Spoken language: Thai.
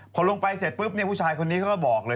พอลงไปเสร็จปุ๊บผู้ชายคนนี้เขาก็บอกเลย